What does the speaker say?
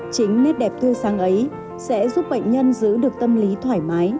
chính nét đẹp tươi sáng ấy sẽ giúp bệnh nhân giữ được tâm lý thoải mái